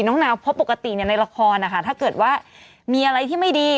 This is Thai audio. น้องนาพบปกติในละครถ้าเกิดว่ามีอะไรที่ไม่ดี